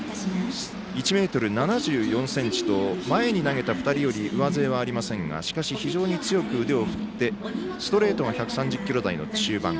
１ｍ７４ｃｍと前に投げた２人より上背はありませんが、非常に強く腕を振ってストレートが１３０キロ台の中盤。